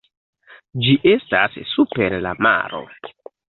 Ĝi estas super la maro.